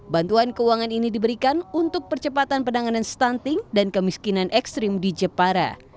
bantuan keuangan ini diberikan untuk percepatan penanganan stunting dan kemiskinan ekstrim di jepara